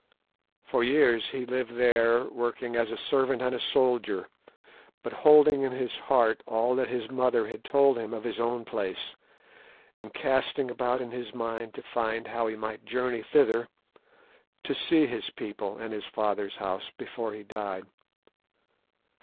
"For years he lived there working as a servant and a soldier, but holding in his heart all that his mother had told him of his own place, and casting about in his mind to find how he might journey thither to see his people and his father's house before he died.